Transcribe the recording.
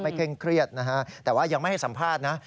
เคร่งเครียดนะฮะแต่ว่ายังไม่ให้สัมภาษณ์นะ